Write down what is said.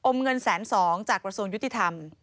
เงินแสนสองจากกระทรวงยุติธรรม